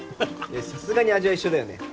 さすがに味は一緒だよね？